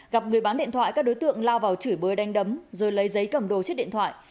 gặp người bán điện thoại các đối tượng lao vào chửi bơi đánh đấm rồi lấy giấy cầm đồ chiếc điện thoại